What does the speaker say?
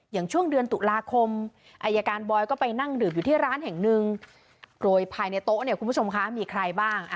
อย่างช่วงเดือนตุลาคมอายการบอยก็ไปนั่งดื่มอยู่ที่ร้านแห่งหนึ่งโดยภายในโต๊ะเนี่ยคุณผู้ชมคะมีใครบ้าง